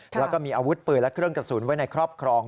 แล้วก็มีอาวุธปืนและเครื่องกระสุนไว้ในครอบครอง